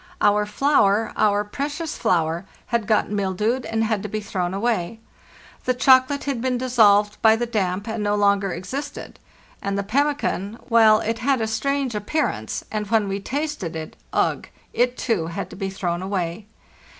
Our flour—our precious had got mildewed, and had to be thrown away. flour The chocolate had been dissolved by the damp, and no longer existed; and the pemmican—well, it had a strange appearance, and when we tasted it—ugh! It too had to be thrown away.